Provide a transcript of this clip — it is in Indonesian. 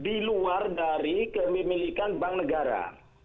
di luar dari kemimilikan bank negara